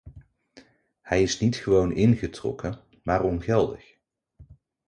Hij is niet gewoon ingetrokken, maar ongeldig.